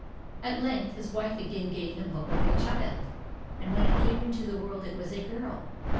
At length his wife again gave him hope of a child, and when it came into the world it was a girl.